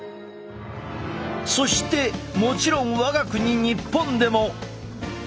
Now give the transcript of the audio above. そしてもちろん我が国日本でも！